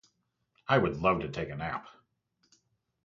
I would love to take a nap.